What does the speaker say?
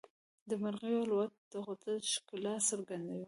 د مرغیو الوت د قدرت ښکلا څرګندوي.